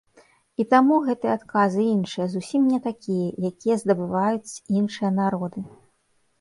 І таму гэтыя адказы іншыя, зусім не такія, якія здабываюць іншыя народы.